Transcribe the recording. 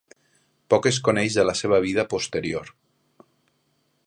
Poc es coneix de la seva vida posterior.